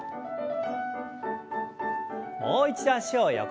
もう一度脚を横に。